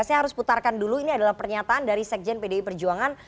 saya harus putarkan dulu ini adalah pernyataan dari sekjen pdi perjuangan